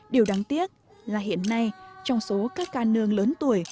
điều đáng tiếc là hiện nay trong số các ca nương lớn tuổi